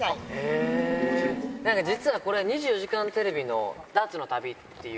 実はこれ、２４時間テレビのダーツの旅っていう。